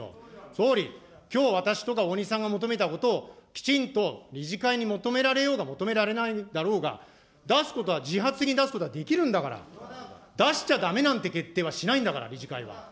総理、きょう、私とか大西さんが求めたことを、きちんと理事会に求められようが、求められないだろうが、出すことは、自発的に出すことはできるんだから、出しちゃだめなんて決定はしないんだから、理事会は。